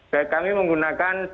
dan kami menggunakan dua puluh tiga